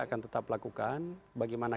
akan tetap lakukan bagaimana